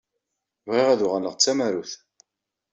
Bɣiɣ ad uɣaleɣ d tamarut.